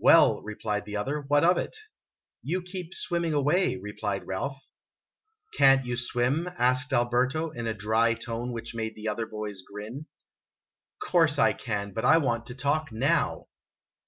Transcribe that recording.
"Well," replied the other, "what of it?" "You keep swimming away," replied Ralph. " Can't you swim? " asked Alberto, in a dry tone which made the other boys grin. " Course I can, but I want to talk now."